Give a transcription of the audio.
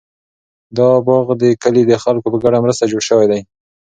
دا باغ د کلي د خلکو په ګډه مرسته جوړ شوی دی.